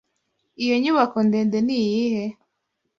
Iyo nyubako ndende niyihe?